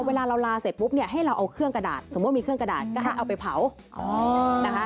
เวลาลาเสร็จปุ๊บให้เราเอาเครื่องกระดาษ